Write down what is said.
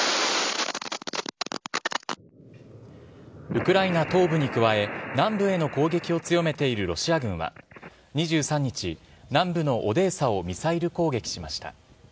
ウクライナ東部に加え、南部への攻撃を強めているロシア軍は２３日、南部のオデーサをミサイル攻撃しました。